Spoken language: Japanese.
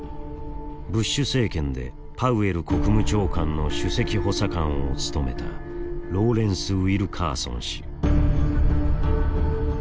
ブッシュ政権でパウエル国務長官の首席補佐官を務めたローレンス・ウィルカーソン氏。